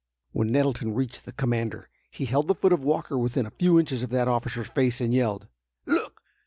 When Nettleton reached the commander, he held the foot of Walker within a few inches of that officer's face, and yelled: "Look!